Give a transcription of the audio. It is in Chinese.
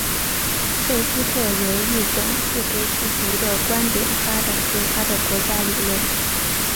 费希特由一种自给自足的观点发展出他的国家理论。